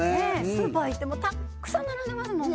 スーパー行ってもたっくさん並んでますもんね